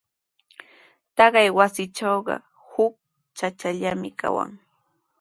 Taqay wasitrawqa huk chachallami kawan.